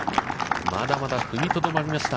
まだまだ踏みとどまりました。